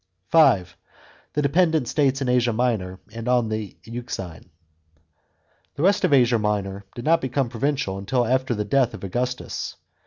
§ 5. THE DEPENDENT STATES IN ASIA MINOR AND ON THB EUXINE. — The rest of Asia Minor did not become provincial until after the death of Augustus.